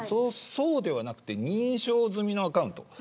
そうではなくて認証済みのアカウント。